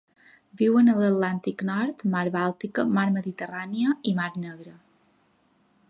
Viuen a l'Atlàntic Nord, Mar Bàltica, Mar Mediterrània i Mar Negra.